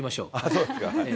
そうですか。